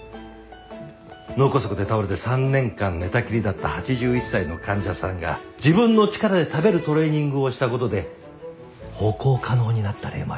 脳梗塞で倒れて３年間寝たきりだった８１歳の患者さんが自分の力で食べるトレーニングをした事で歩行可能になった例もあります。